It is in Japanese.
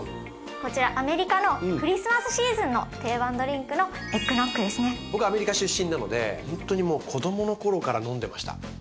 こちらアメリカのクリスマスシーズンの定番ドリンクの僕アメリカ出身なのでほんとにもう子供の頃から飲んでました。